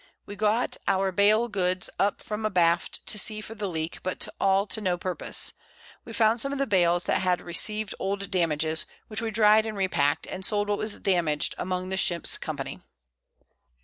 We got our Bale Goods up from abaft to see for the Leak, but all to no purpose; we found some of the Bales that had receiv'd old Damages, which we dry'd and re pack'd, and sold what was damaged among the Ship's Company.